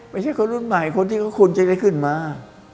ไม่ใช่คนรุ่นใหม่คนที่เขาควรจะได้ขึ้นมา